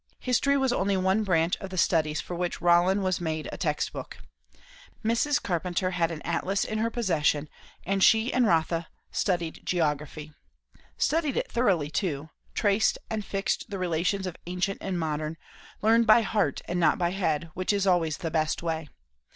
History was only one branch of the studies for which Rollin was made a text book. Mrs. Carpenter had an atlas in her possession; and she and Rotha studied geography. Studied it thoroughly, too; traced and fixed the relations of ancient and modern; learned by heart and not by head, which is always the best way.